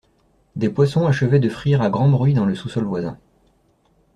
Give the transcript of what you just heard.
Des poissons achevaient de frire à grand bruit dans le sous-sol voisin.